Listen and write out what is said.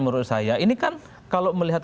menurut saya ini kan kalau melihat